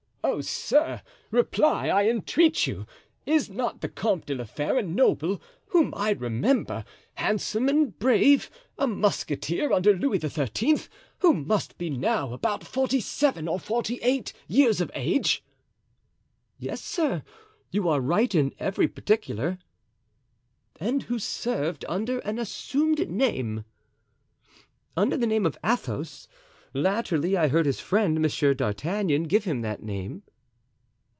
"Oh, sir, reply, I entreat you—is not the Comte de la Fere a noble whom I remember, handsome and brave, a musketeer under Louis XIII., who must be now about forty seven or forty eight years of age?" "Yes, sir, you are right in every particular!" "And who served under an assumed name?" "Under the name of Athos. Latterly I heard his friend, Monsieur d'Artagnan, give him that name."